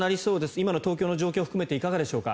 今の東京の状況含めていかがでしょうか？